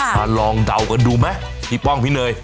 มาค่ะลองเดากันดูไหมภิปวงพี่เนย